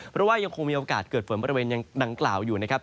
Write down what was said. เพราะว่ายังคงมีโอกาสเกิดฝนบริเวณดังกล่าวอยู่นะครับ